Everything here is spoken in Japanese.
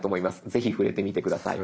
ぜひ触れてみて下さい。